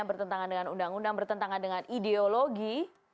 bertentangan dengan undang undang bertentangan dengan ideologi